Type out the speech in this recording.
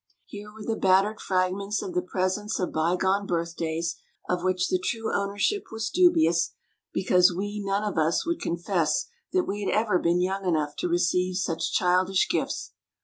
Here were the battered fragments of the presents of bygone birthdays, of which the true ownership was dubious, because we none of us would con fess that we had ever been young enough to receive such childish gifts.